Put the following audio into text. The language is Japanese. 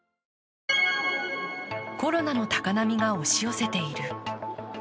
コロナの高波が押し寄せている。